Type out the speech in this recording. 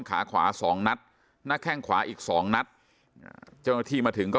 ขาขวาสองนัดหน้าแข้งขวาอีกสองนัดเจ้าหน้าที่มาถึงก็